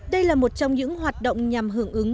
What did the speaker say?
đây là một trong những hoạt động nhằm hưởng ứng